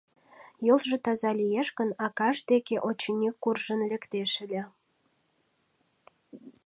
Йолжо таза лиеш гын, акаж деке, очыни, куржын лектеш ыле.